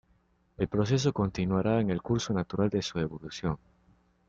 El proceso continuaría con el curso natural de su evolución.